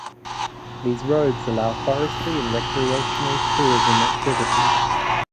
These roads allow forestry and recreational tourism activities.